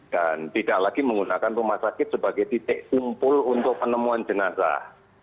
tidak lagi menggunakan rumah sakit sebagai titik kumpul untuk penemuan jenazah